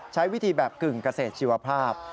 ใช้วิธีแบบกึ่งเกษตรชีวภาพ